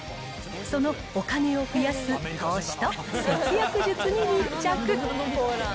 そのお金を増やす投資と節約術に密着。